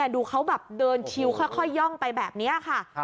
ดูเขาเดินค่อยย่องไปแบบนี้ค่ะ